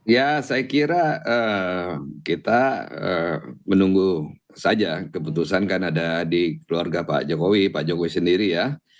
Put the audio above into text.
ya saya kira kita menunggu saja keputusan kan ada di keluarga pak jokowi pak jokowi sendiri ya